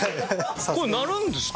これ鳴るんですか？